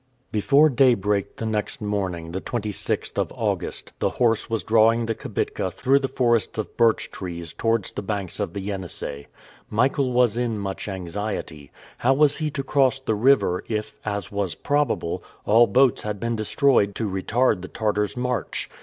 Before daybreak the next morning, the 26th of August, the horse was drawing the kibitka through the forests of birch trees towards the banks of the Yenisei. Michael was in much anxiety. How was he to cross the river, if, as was probable, all boats had been destroyed to retard the Tartars' march?